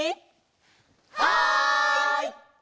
はい！